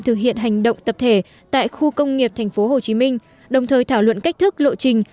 thực hiện hành động tập thể tại khu công nghiệp tp hcm đồng thời thảo luận cách thức lộ trình